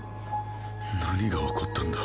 何が起こったんだ。